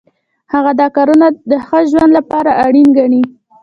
هغه دا کارونه د ښه ژوند لپاره اړین ګڼي.